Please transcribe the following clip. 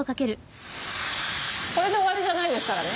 これで終わりじゃないですからね。